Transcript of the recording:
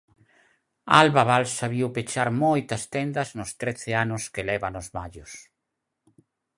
Alba Balsa viu pechar moitas tendas nos trece anos que leva nos Mallos.